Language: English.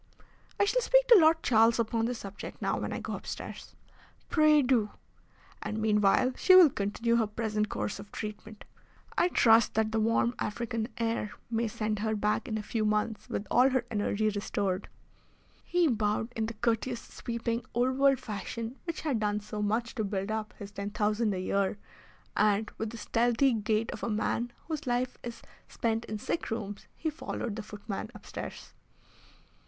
"I shall speak to Lord Charles upon the subject now when I go upstairs." "Pray do." "And meanwhile she will continue her present course of treatment. I trust that the warm African air may send her back in a few months with all her energy restored." He bowed in the courteous, sweeping, old world fashion which had done so much to build up his ten thousand a year, and, with the stealthy gait of a man whose life is spent in sick rooms, he followed the footman upstairs.